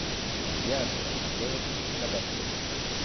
L’alliage de la grandeur, c’est la bassesse.